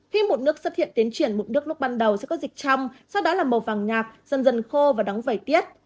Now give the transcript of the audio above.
khi mụn nước xuất hiện tiến triển mụn nước lúc ban đầu sẽ có dịch trăm sau đó là màu vàng nhạt dần dần khô và đóng vẩy tiết